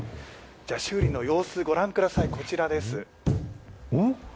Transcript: じゃあ修理の様子、ご覧ください、こちらです。